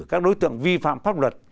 các đối tượng vi phạm pháp luật